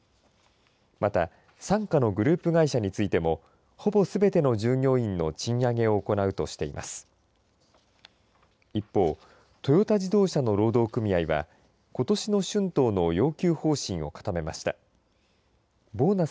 また、傘下のグループ会社についてもほぼすべての従業員の賃上げを行うとしています。